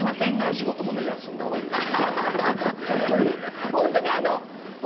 お仕事も休んだほうがいいです。